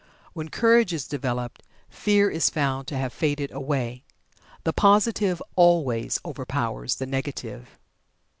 When Courage is developed, Fear is found to have faded away. The positive always overpowers the negative.